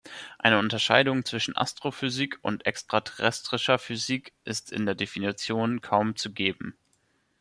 Eine Unterscheidung zwischen Astrophysik und "extraterrestrischer Physik" ist in der Definition kaum zu geben.